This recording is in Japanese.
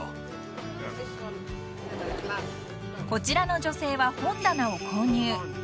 ［こちらの女性は本棚を購入］